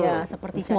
iya seperti cacar pada